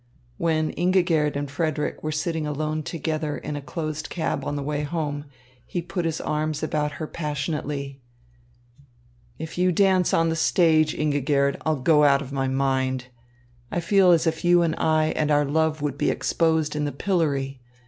When Ingigerd and Frederick were sitting alone together in a closed cab on the way home, he put his arms about her passionately. "If you dance on the stage, Ingigerd, I'll go out of my mind. I feel as if you and I and our love would be exposed in the pillory.